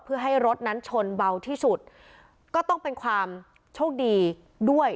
เพื่อให้รถนั้นชนเบาที่สุดก็ต้องเป็นความโชคดีด้วย